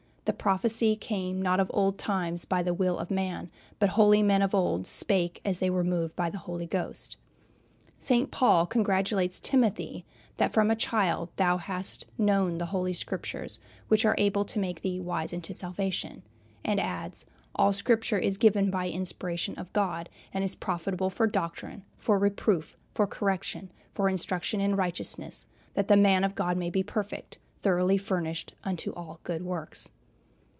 "The prophecy came not of old times by the will of man, but holy men of old spake as they were moved by the Holy Ghost." St. Paul congratulates Timothy that "from a child thou hast known the Holy Scriptures, which are able to make thee wise unto salvation," and adds: "all Scripture is given by inspiration of God, and is profitable for doctrine, for reproof, for correction, for instruction in righteousness, that the man of God may be perfect, thoroughly furnished unto all good works."